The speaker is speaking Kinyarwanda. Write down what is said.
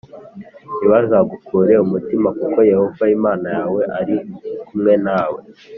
Ntibazagukure umutima, kuko Yehova Imana yawe ari kumwe nawe;